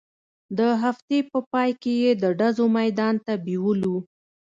د هفتې په پاى کښې يې د ډزو ميدان ته بېولو.